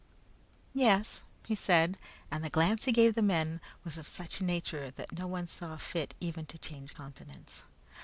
"Yes," he said, and the glance he gave the men was of such a nature that no one saw fit even to change countenance.